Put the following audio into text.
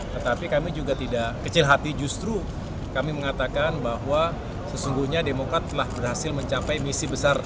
tetapi kami juga tidak kecil hati justru kami mengatakan bahwa sesungguhnya demokrat telah berhasil mencapai misi besar